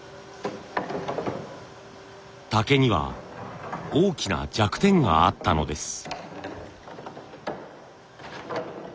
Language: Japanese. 竹には大きな弱点があったのです。